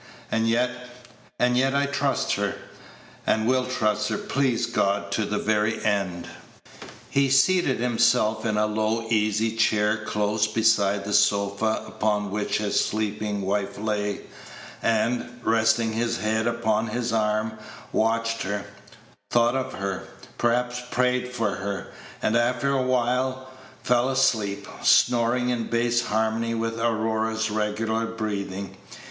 And yet and yet I trust her, and will trust her, please God, to the very end." He seated himself in a low easy chair close beside the sofa upon which his sleeping wife lay, and, resting his head upon his arm, watched her, thought of her, perhaps prayed for her, and after a little while fell asleep, snoring in bass harmony with Aurora's regular breathing.